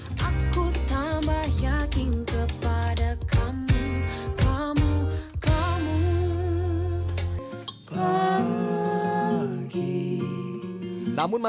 susah aku tambah yakin kepada kamu kamu kamu